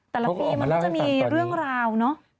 แต่ละปีมันต้องจะมีเรื่องราว